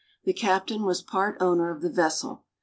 The captain was part owner of the vessel.